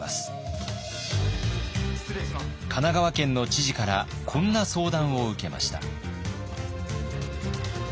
神奈川県の知事からこんな相談を受けました。